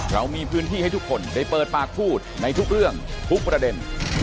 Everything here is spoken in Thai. เรามีพื้นที่ให้ทุกคนได้เปิดปากพูดในทุกเรื่องทุกประเด็น